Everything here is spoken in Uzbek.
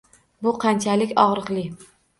Bu qanchalik og`riqli